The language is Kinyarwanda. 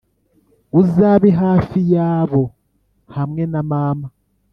uzabe hafi yabo hamwe na mama. ”